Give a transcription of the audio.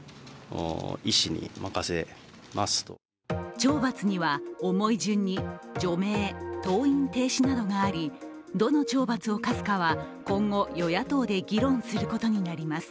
懲罰には、重い順に除名、登院停止などがありどの懲罰を科すかは、今後、与野党で議論することになります。